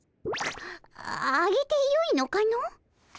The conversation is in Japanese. ああげてよいのかの？